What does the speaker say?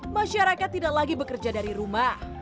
masyarakat tidak lagi bekerja dari rumah